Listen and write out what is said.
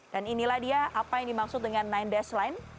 dan inilah dia apa yang dimaksud dengan nine dash line